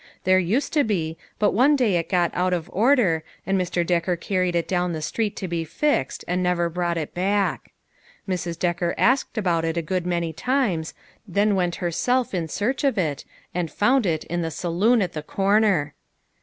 There used to be, but one day it got out of order and Mr. Decker carried it down street to be fixed, and never brought it back. Mrs. Decker asked about it a good many times, then went herself in searcli of it, and found it in the saloon at the corner.